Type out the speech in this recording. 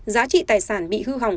giá trị tài sản bị hư hỏng